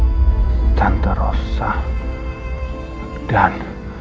dan tante rosa dan tante rosa dan